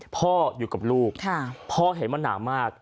พ่ออยู่กับลูกพ่อเห็นว่าหนามาก